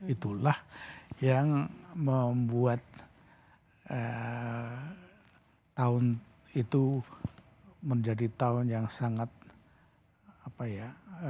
itulah yang membuat tahun itu menjadi tahun yang sangat apa ya